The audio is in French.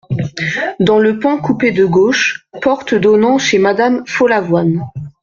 Dans le pan coupé de gauche, porte donnant chez madame Follavoine.